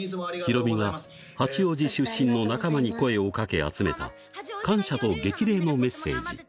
ヒロミが八王子出身の仲間に声をかけ集めた感謝と激励のメッセージ。